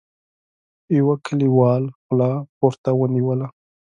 يوه کليوال خوله پورته ونيوله: